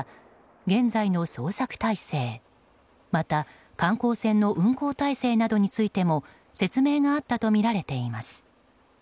現在の捜索態勢また観光船の運航体制などについても説明があったとみられています。